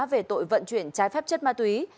vận chuyển trái phép chất ma túy